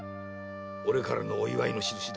俺からのお祝いの証だ。